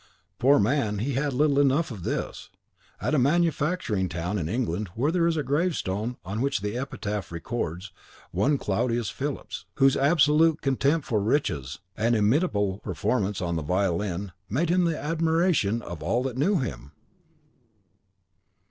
Poor man, he had little enough in this! At a manufacturing town in England there is a gravestone on which the epitaph records "one Claudius Phillips, whose absolute contempt for riches, and inimitable performance on the violin, made him the admiration of all that knew him!"